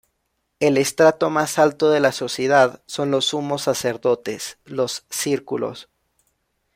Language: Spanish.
El estrato más alto de la sociedad son los sumos sacerdotes: los círculos.